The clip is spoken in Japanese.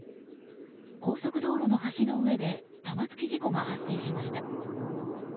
高速道路の橋の上で玉突き事故が発生しました。